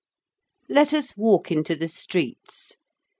Let us walk into the streets.